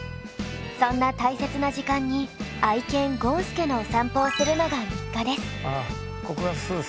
そんな大切な時間に愛犬ごんすけのお散歩をするのが日課です。